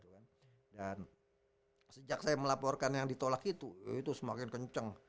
dan sejak saya melaporkan yang ditolak itu itu semakin kencang